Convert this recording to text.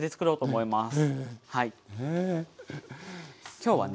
今日はね